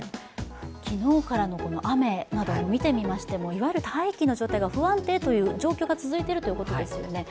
昨日からの雨などを見てみましても大気の状態が不安定という状況が続いているということですよね。